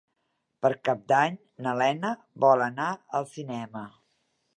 Per Cap d'Any na Lena vol anar al cinema.